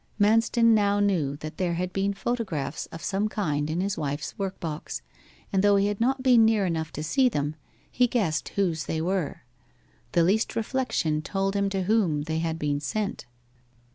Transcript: Manston now knew that there had been photographs of some kind in his wife's workbox, and though he had not been near enough to see them, he guessed whose they were. The least reflection told him to whom they had been sent.